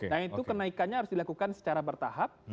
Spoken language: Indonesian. nah itu kenaikannya harus dilakukan secara bertahap